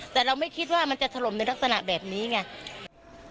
แต่เราไม่คิดว่ามันจะถล่มในลักษณะแบบนี้ไง